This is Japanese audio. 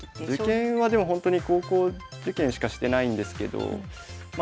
受験はでもほんとに高校受験しかしてないんですけどまあ